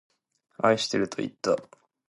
愛してるといった。